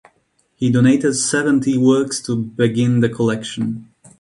He donated seventy works to begin the collection.